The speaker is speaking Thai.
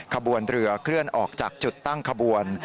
ขบวนเรือเคลื่อนออกจากจุดตั้งขบวน